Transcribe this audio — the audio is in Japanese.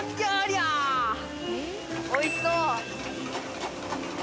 おいしそう。